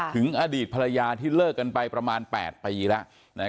อดีตภรรยาที่เลิกกันไปประมาณ๘ปีแล้ว